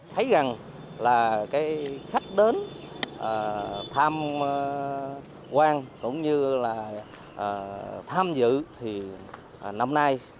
thấy rằng là cái khách đến tham quan cũng như là tham dự thì năm nay